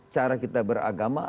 cara kita beragama